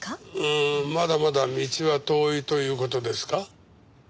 まだまだ道は遠いという事ですか。